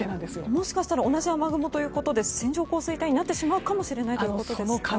もしかしたら同じ雨雲ということで線状降水帯になってしまうかもしれないということですか。